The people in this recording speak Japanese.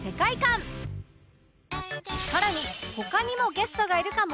さらに他にもゲストがいるかも？